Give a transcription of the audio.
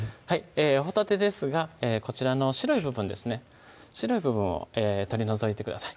ほたてですがこちらの白い部分ですね白い部分を取り除いてください